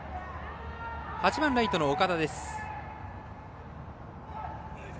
８番ライトの岡田です。